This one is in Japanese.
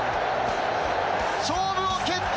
勝負を決定